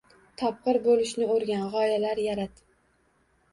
Topqir bo‘lishni o‘rgan, g‘oyalar yarat.